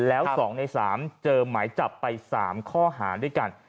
แล้ว๒ใน๓เจอหมายจับไป๓ข้อหาด้วยกัน